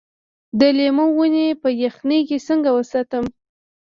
د لیمو ونې په یخنۍ کې څنګه وساتم؟